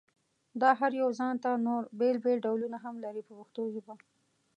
دا هر یو ځانته نور بېل بېل ډولونه هم لري په پښتو ژبه.